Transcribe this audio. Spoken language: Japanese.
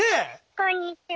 こんにちは。